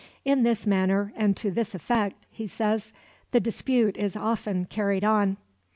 "In this manner and to this effect," he says, "the dispute is often carried on."